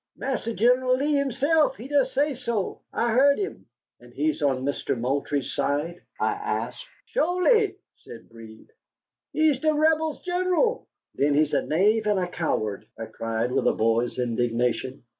Marse Gen'l Lee hisself, he done sesso. I heerd him." "And he's on Mister Moultrie's side?" I asked. "Sholy," said Breed. "He's de Rebel gen'l." "Then he's a knave and a coward!" I cried with a boy's indignation.